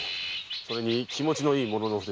それに気持ちのいい武士だ。